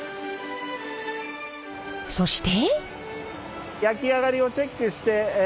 そして。